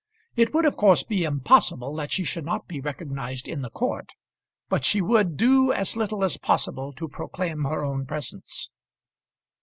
It would of course be impossible that she should not be recognised in the court, but she would do as little as possible to proclaim her own presence.